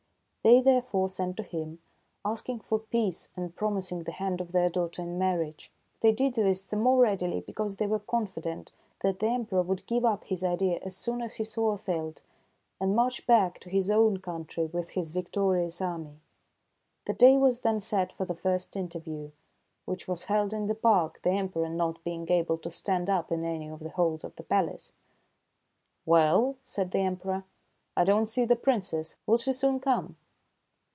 They therefore sent to him, asking for peace and promising the hand of their daughter in marriage. They did this the more readily because they were confident that the Emperor would give up his idea as soon as he saw Othilde, and march back to his own country with his victorious army. The day was then set for the first interview, which was held in the park, the Emperor not being able to stand up in any of the halls of the palace. "Well," said the Emperor, "I don't see the Princess. Will she soon come